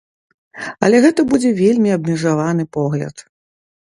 Але гэта будзе вельмі абмежаваны погляд.